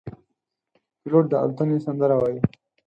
پیلوټ د الوتنې سندره وايي.